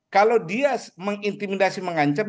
kalau dia mengintimidasi mengancam